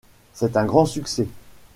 C'est un grand succès.